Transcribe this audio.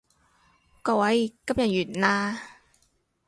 各位，今日完啦